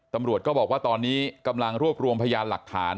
ตำรวจก็บอกว่าตอนนี้กำลังรวบรวมพยานหลักฐาน